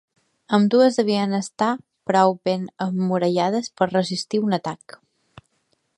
Ambdues devien estar prou ben emmurallades per resistir un atac.